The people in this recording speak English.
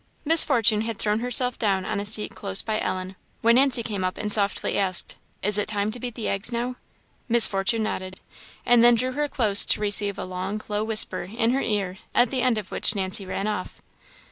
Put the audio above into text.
Miss Fortune had thrown herself down on a seat close by Ellen, when Nancy came up and softly asked, "Is it time to beat the eggs now?" Miss Fortune nodded, and then drew her close to receive a long, low whisper in her ear, at the end of which Nancy ran off.